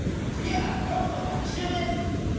次は今日の特集です。